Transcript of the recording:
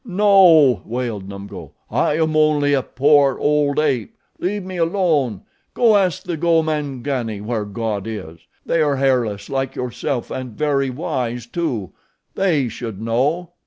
"No," wailed Numgo. "I am only a poor, old ape. Leave me alone. Go ask the Gomangani where God is. They are hairless like yourself and very wise, too. They should know."